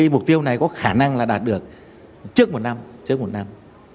mục tiêu này có khả năng đạt được trước một năm